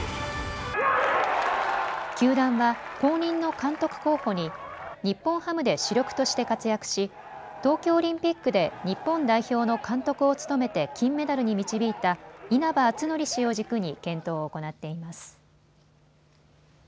球団は後任の監督候補に日本ハムで主力として活躍し東京オリンピックで日本代表の監督を務めて金メダルに導いた稲葉篤紀氏を軸に検討を行っています。